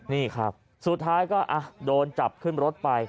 นี่ครับสุดท้ายก็โดนจับขึ้นรถไป